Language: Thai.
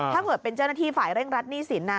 ถ้าเกิดเป็นเจ้าหน้าที่ฝ่ายเร่งรัดหนี้สินนะ